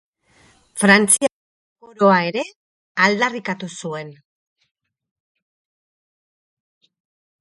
Frantziako koroa ere aldarrikatu zuen.